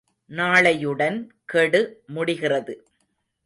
நாளையுடன் கெடு முடிகிறது.